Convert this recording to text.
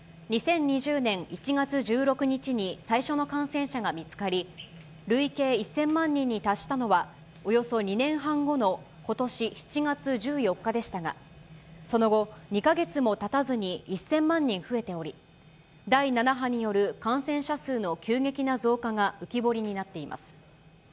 ２０２０年１月１６日に最初の感染者が見つかり、累計１０００万人に達したのは、およそ２年半後のことし７月１４日でしたが、その後、２か月もたたずに１０００万人増えており、第７波による感染者数の急激な増加が浮き彫りになっています。